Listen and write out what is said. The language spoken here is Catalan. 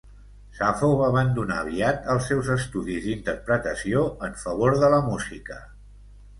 Sapho va abandonar aviat els seus estudis d'interpretació en favor de la música.